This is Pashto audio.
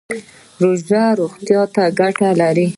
روژه روغتیا ته ګټه لري